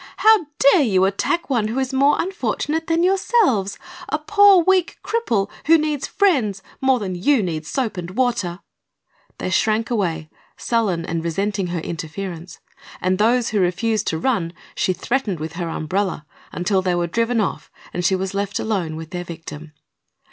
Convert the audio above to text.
"How dare you attack one who is more unfortunate than yourselves a poor, weak cripple, who needs friends more than you need soap and water?" They shrank away, sullen and resenting her interference, and those who refused to run she threatened with her umbrella until they were driven off and she was left alone with their victim.